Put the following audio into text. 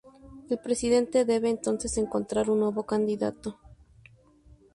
El presidente debe entonces encontrar un nuevo candidato.